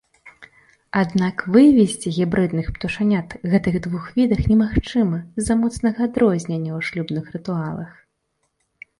Аднак вывесці гібрыдных птушанят гэтых двух відах немагчыма з-за моцнага адрознення ў шлюбных рытуалах.